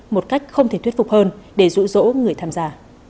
một cách không thể thuyết phục hơn để rụ rỗ người tham gia